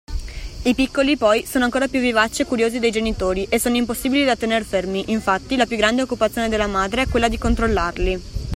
I piccoli poi sono ancora più vivaci e curiosi dei genitori e sono impossibili da tener fermi infatti la più grande occupazione della madre è quella di controllarli.